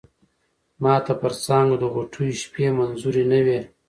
ماته پر څانگو د غوټیو شپې منظوری نه وې